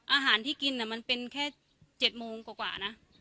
อาหารที่กินมันเป็นแค่๗โมงกว่านะ